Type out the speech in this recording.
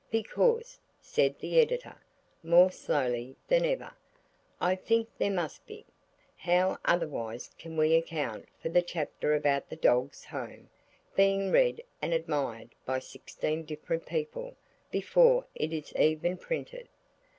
"Because," said the Editor, more slowly than ever, "I think there must be. How otherwise can we account for that chapter about the 'Doge's Home' being read and admired by sixteen different people before it is even printed.